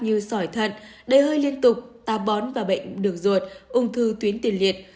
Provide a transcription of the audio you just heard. như sỏi thận đầy hơi liên tục táp bón và bệnh đường ruột ung thư tuyến tiền liệt